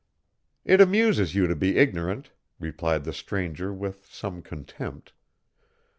"It amuses you to be ignorant," replied the stranger, with some contempt.